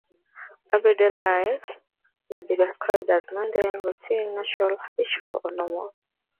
Everyday life may be described as mundane, routine, natural, habitual, or normal.